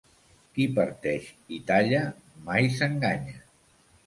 Qui parteix i talla, mai s'enganya.